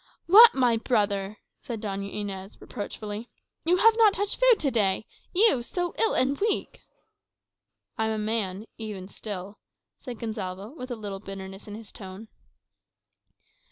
"What, my brother!" said Doña Inez, reproachfully, "you have not touched food to day! You so ill and weak?" "I am a man even still," said Gonsalvo with a little bitterness in his tone.